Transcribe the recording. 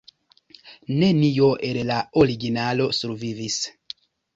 Nenio el la originalo survivis.